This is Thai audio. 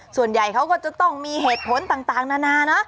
ส่วนใหญ่เขาก็จะต้องมีเหตุผลต่างนานานะ